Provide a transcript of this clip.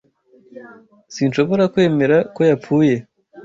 Sinshobora kwemera ko yapfuye.